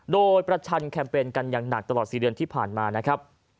โดยประชันแคมเปญกันอย่างหนักตลอด๔เดือนที่ผ่านมานะครับ